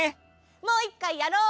もういっかいやろう。